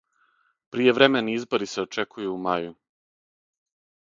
Пријевремени избори се очекују у мају.